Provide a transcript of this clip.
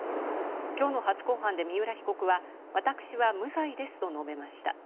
きょうの初公判で三浦被告は私は無罪ですと述べました。